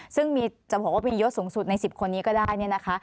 ซึ่งมีจะบอกว่ามียศสูงสุดใน๑๐คนนี้ก็ได้เนี่ยนะคะ